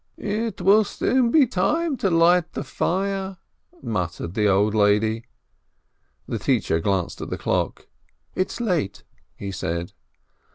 "It will soon be time to light the fire," muttered the old lady. The teacher glanced at the clock. "It's late," he said.